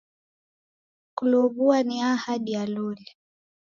Kulow'ua ni ahadi ya loli.